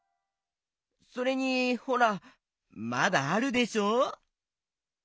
それにほらまだあるでしょ。